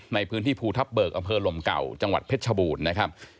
ในพื้นที่ภูทับเบิกอำเภอลมเก่าจังหวัดเพชรชบูรณ์นะครับ